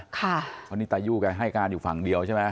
เพราะนี่ตายู่แกให้การอยู่ฝั่งเดียวใช่ไหม